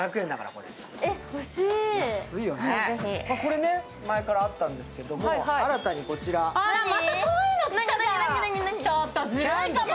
これ前からあったんですけども、新たにこちら、キャンドル。